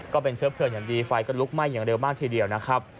ก็เป็นเชื้อเพลิงอย่างดีไฟก็ลุกไหม้อย่างเร็วมากทีเดียวนะครับ